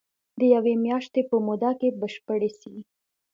د يوې مياشتي په موده کي بشپړي سي.